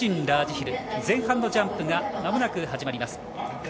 ラージヒル前半のジャンプがまもなく始まります。